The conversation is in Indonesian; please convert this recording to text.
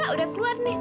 udah keluar nih